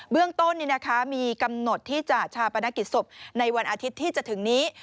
เรื่องต้นมีกำหนดที่จะชาปนกิจศพในวันอาทิตย์ที่จะถึงนี้